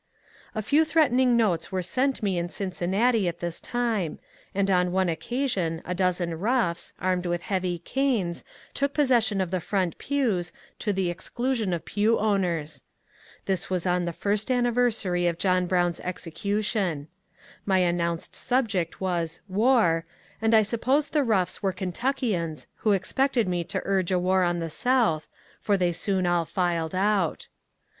A few threatening notes were sent me in Cincinnati at this time, and on one occasion a dozen roughs, armed with heavy canes, took possession of the front pews, to the exclusion of pew owners. This was on the first anniversary of John Brown's execution. My announced subject was "War," and I suppose the roughs were Kentuckians who expected me to urge a war on the South, for they soon all filed out.